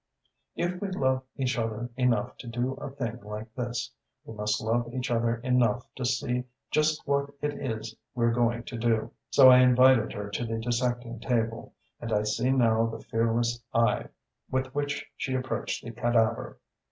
"'If we love each other enough to do a thing like this, we must love each other enough to see just what it is we're going to do.' "So I invited her to the dissecting table, and I see now the fearless eye with which she approached the cadaver.